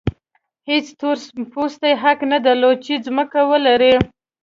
هېڅ تور پوستي حق نه درلود چې ځمکه ولري.